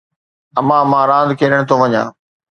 امان مان راند کيڏڻ ٿو وڃان.